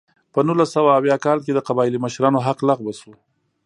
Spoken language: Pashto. په نولس سوه اویا کال کې د قبایلي مشرانو حق لغوه شو.